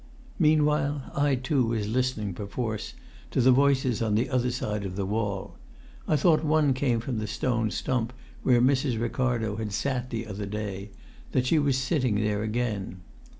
Meanwhile I too was listening perforce to the voices on the other side of the wall. I thought one came from the stone stump where Mrs. Ricardo had sat the other day, that she was sitting there again.